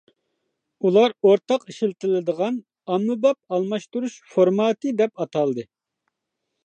ئۇلار ئورتاق ئىشلىتىلىدىغان ئاممىباب ئالماشتۇرۇش فورماتى دەپ ئاتالدى.